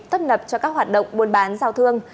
tấp nập cho các hoạt động buôn bán giao thương